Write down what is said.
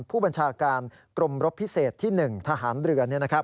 ผู้บัญชาการกรมรบพิเศษที่๑ทหารเรือ